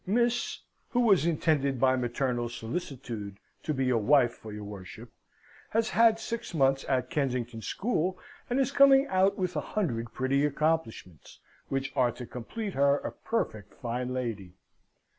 Miss (who was intended by maternal solicitude to be a wife for your worship) has had six months at Kensington School, and is coming out with a hundred pretty accomplishments, which are to complete her a perfect fine lady.